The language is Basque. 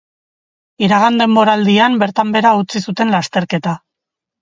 Iragan denboraldian bertan behera utzi zuten lasterketa.